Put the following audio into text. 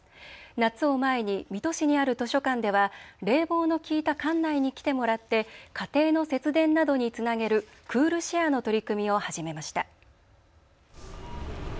夏を前に水戸市にある図書館では冷房の効いた館内に来てもらって家庭の節電などにつなげるクールシェアの取り組みを始めました。